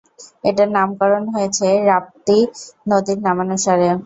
এটার নামকরণ হয়েছে রাপ্তী নদীর নামানুসারে।